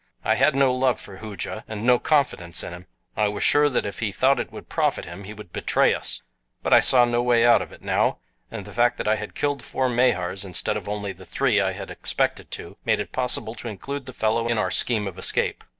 I had no love for Hooja, and no confidence in him. I was sure that if he thought it would profit him he would betray us; but I saw no way out of it now, and the fact that I had killed four Mahars instead of only the three I had expected to, made it possible to include the fellow in our scheme of escape.